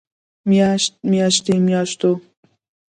مياشت، مياشتې، مياشتو